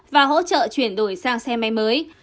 và hỗ trợ chuyển đổi sang xe máy mới